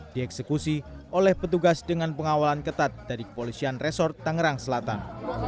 dieksekusi oleh petugas dengan pengawalan ketat dari kepolisian resort tangerang selatan